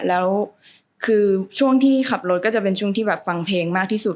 แล้วคือช่วงที่ขับรถก็จะเป็นช่วงที่แบบฟังเพลงมากที่สุด